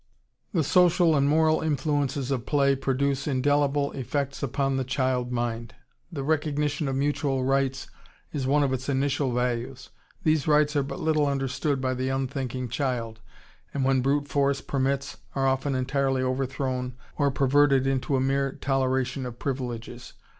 The social and moral influences of play produce indelible effects upon the child mind.... The recognition of mutual rights is one of its initial values. These rights are but little understood by the unthinking child, and when brute force permits, are often entirely overthrown or perverted into a mere toleration of privileges....